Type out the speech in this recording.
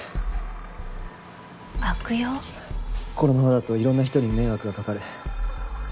このままだといろんな人に迷惑がかかる。